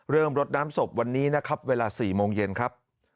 รดน้ำศพวันนี้นะครับเวลา๔โมงเย็นครับ